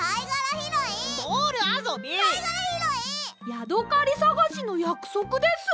ヤドカリさがしのやくそくです！